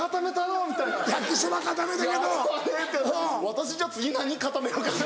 「私じゃあ次何固めようかしら？」